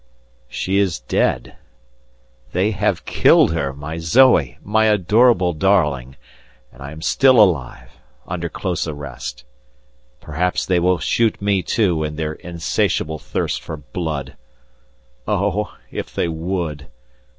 _ She is dead! They have killed her, my Zoe, my adorable darling, and I am still alive under close arrest. Perhaps they will shoot me too, in their insatiable thirst for blood. Oh! if they would!